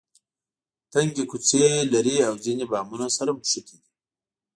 تنګې کوڅې لري او ځینې بامونه سره نښتي دي.